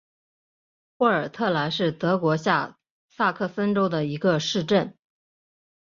霍尔特兰是德国下萨克森州的一个市镇。